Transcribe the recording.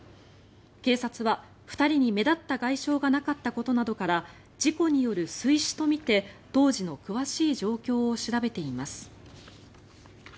警察は２人に目立った外傷がなかったことから事故による水死とみて当時の詳しい状況を調べています。